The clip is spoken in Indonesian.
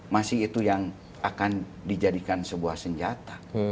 masih itu yang akan dijadikan sebuah senjata